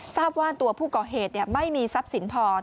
ทราบว่าตัวผู้ก่อเหตุไม่มีความปลอดภัยค่ะ